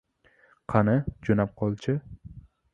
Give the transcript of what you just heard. — Qani, jo‘nab qol-chi